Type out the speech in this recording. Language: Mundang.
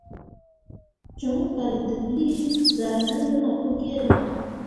Com kaldeɓlii zah nan luma Pugiere.